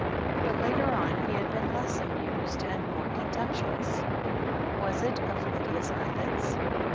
But, later on, he had been less amused and more contemptuous. Was it of Lydia's methods?